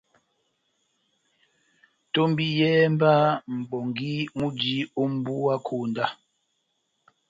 Tombiyɛhɛ mba mʼbongi múji ó mbuwa konda !